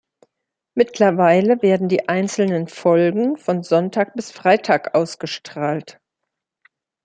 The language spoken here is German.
Mittlerweile werden die einzelnen Folgen von Sonntag bis Freitag ausgestrahlt.